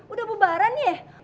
udah bubaran ya